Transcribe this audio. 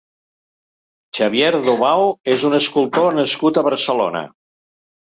Xavier Dobao és un escultor nascut a Barcelona.